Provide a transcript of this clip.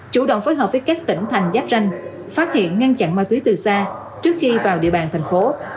chủ động phối hợp với các tỉnh thành giáp ranh phát hiện ngăn chặn ma túy từ xa trước khi vào địa bàn thành phố